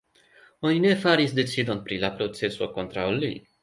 Oni ne faris decidon pri la proceso kontraŭ li.